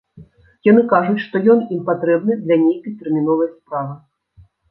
Яны кажуць, што ён ім патрэбны для нейкай тэрміновай справы.